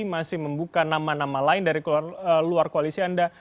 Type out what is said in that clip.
masih membuka nama nama lain dari luar koalisi anda